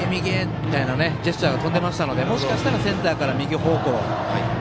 みたいなジェスチャー、飛んでましたのでもしかしたらセンターから右方向。